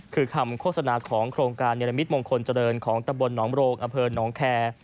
คือคำโฆษณาของโครงการเนรมิตมงคลเจริญของตำบลหนองโรงอำเภอหนองแคร์